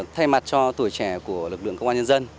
thay mặt cho tuổi trẻ của lực lượng công an nhân dân